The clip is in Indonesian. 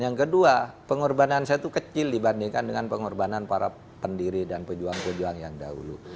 yang kedua pengorbanan saya itu kecil dibandingkan dengan pengorbanan para pendiri dan pejuang pejuang yang dahulu